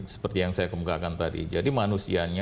seperti yang saya kemukakan tadi jadi manusianya